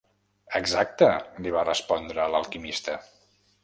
"Exacte", li va respondre l'Alquimista.